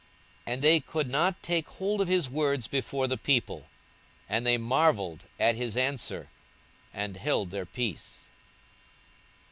42:020:026 And they could not take hold of his words before the people: and they marvelled at his answer, and held their peace.